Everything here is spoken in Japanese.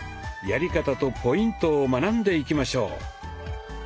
やり方とポイントを学んでいきましょう。